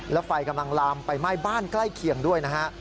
แล้วไฟกำลังลามไปไหม้บ้านใกล้เคียงด้วยนะฮะ